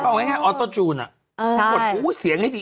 ก็ออกให้ให้อนโทรจูนอะถูกกดพูออให้เสียงให้ดี